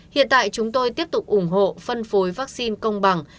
hiện tại chúng tôi tiếp tục ủng hộ phân phối vaccine công bằng